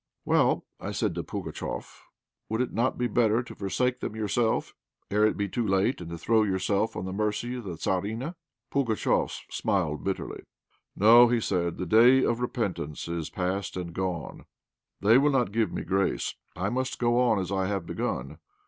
"Well," I said to Pugatchéf, "would it not be better to forsake them yourself, ere it be too late, and throw yourself on the mercy of the Tzarina?" Pugatchéf smiled bitterly. "No," said he, "the day of repentance is past and gone; they will not give me grace. I must go on as I have begun.